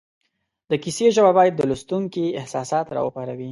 د کیسې ژبه باید د لوستونکي احساسات را وپاروي